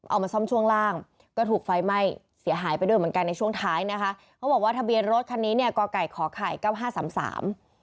เอามาซ่อมช่วงล่างก็ถูกไฟไหม้เสียหายไปด้วยเหมือนกันในช่วงท้ายนะคะเขาบอกว่าทะเบียนรถคันนี้เนี่ยก่อไก่ขอไข่เก้าห้าสามสาม